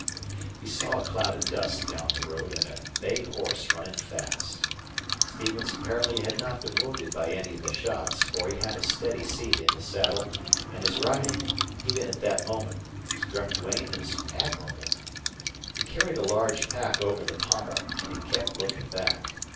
He saw a cloud of dust down the road and a bay horse running fast. Stevens apparently had not been wounded by any of the shots, for he had a steady seat in his saddle and his riding, even at that moment, struck Duane as admirable. He carried a large pack over the pommel, and he kept looking back.